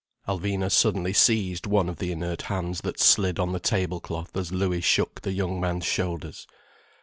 Alvina suddenly seized one of the inert hands that slid on the table cloth as Louis shook the young man's shoulders.